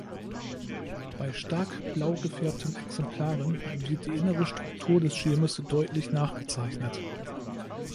Bei stark blau gefärbten Exemplaren wird die innere Struktur des Schirmes deutlich nachgezeichnet.